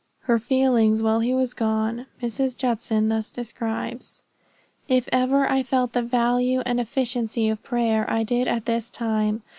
Her feelings while he was gone, Mrs. Judson thus describes: "If ever I felt the value and efficacy of prayer, I did at this time.